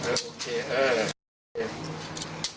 เออโอเคเออ